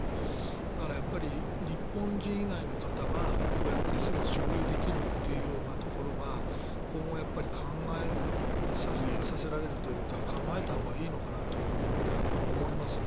だから、日本人以外の方がこうやってすぐ所有できるというところが今後、考えさせられるというか考えたほうがいいのかなというふうに思いますね。